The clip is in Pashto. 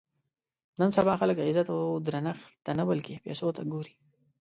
نن سبا خلک عزت او درنښت ته نه بلکې پیسو ته ګوري.